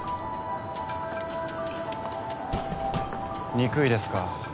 憎いですか？